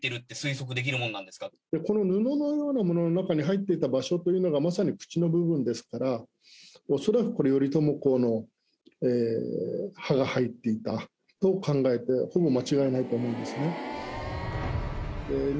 この布のようなものの中に入っていた場所というのがまさに口の部分ですからおそらくこれ。と考えてほぼ間違いないと思いますね。